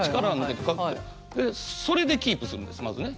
それでキープするんですまずね。